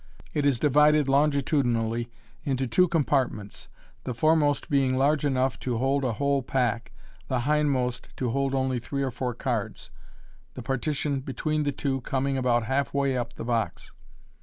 6.) It is divided longitudinally into two compartments* the foremost being large enough to hold a whole pack, the hindmost to hold only three or four cards, the partition be tween the two coming about half way up the box.